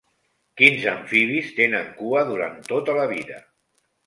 Quins amfibis tenen cua durant tota la vida?